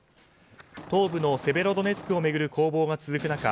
東部のセベロドネツクを巡る攻防が続く中